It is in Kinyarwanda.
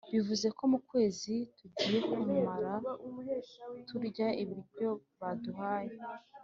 bivuze ko mu kwezi tugiye kumara turya ibyo baduhaye,